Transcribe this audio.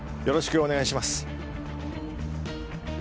よろしくお願いします。